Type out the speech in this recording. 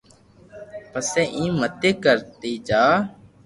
پسي ايم متي ڪر تي جا